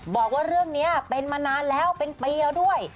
บอกว่าเรื่องนี้เป็นมานานแล้วเป็นปีแล้วด้วย